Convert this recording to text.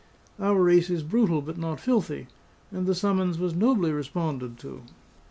Our race is brutal, but not filthy; and the summons was nobly responded to.